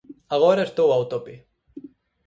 Agora estou ao tope.